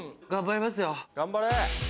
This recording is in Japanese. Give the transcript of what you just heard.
・頑張れ！